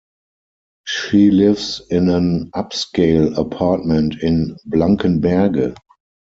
She lives in an up-scale apartment in Blankenberge.